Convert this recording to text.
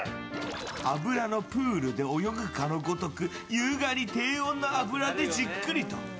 油のプールで泳ぐかのごとく優雅に低温の油でじっくりと。